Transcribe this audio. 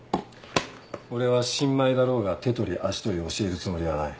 俺は新米だろうが手取り足取り教えるつもりはない。